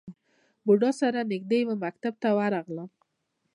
بودا سره نژدې یو مکتب ته ورغلم.